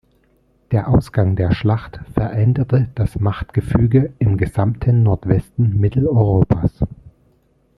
Der Ausgang der Schlacht veränderte das Machtgefüge im gesamten Nordwesten Mitteleuropas.